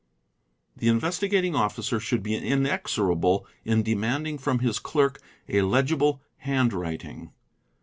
The Investigating Officer should be inexorable in demanding from his clerk a legible handwriting??